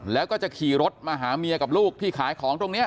แล้วก็จะขี่รถมาหาเมียกับลูกที่ขายของตรงนี้